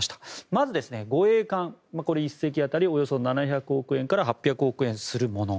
まず、護衛艦これは１隻当たりおよそ７００億円から８００億円するもの。